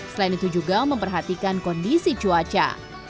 selain itu juga memperhatikan kondisi cuaca